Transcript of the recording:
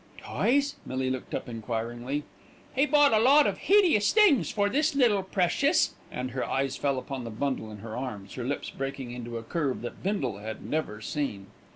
"Toys?" Millie looked up enquiringly. "He bought a lot of hideous things for this little precious," and her eyes fell upon the bundle in her arms, her lips breaking into a curve that Bindle had never seen.